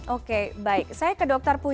oke baik saya ke dr puji